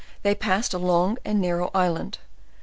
they passed a long and narrow island.